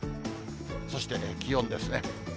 そして気温ですね。